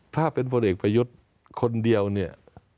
ถ้าเป็นพลเอกประยุทธ์คนเดียวเนี่ย